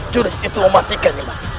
jurus itu mematikan